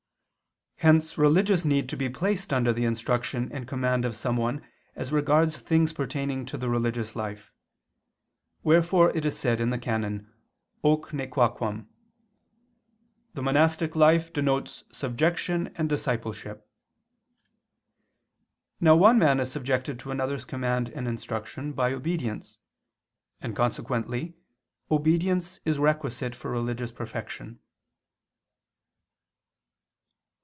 Hence religious need to be placed under the instruction and command of someone as regards things pertaining to the religious life; wherefore it is said (VII, qu. i, can. Hoc nequaquam): "The monastic life denotes subjection and discipleship." Now one man is subjected to another's command and instruction by obedience: and consequently obedience is requisite for religious perfection.